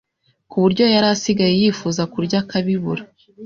ku buryo yari asigaye yifuza kurya akabibura